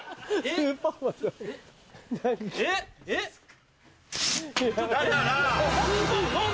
スーパーマン何で？